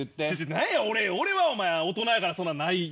何や俺はお前大人やからそんなないよ。